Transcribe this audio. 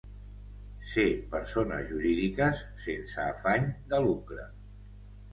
Ser persones jurídiques sense afany de lucre.